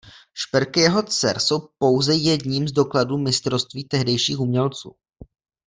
Šperky jeho dcer jsou pouze jedním z dokladů mistrovství tehdejších umělců.